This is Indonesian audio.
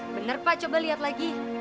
benar pak coba lihat lagi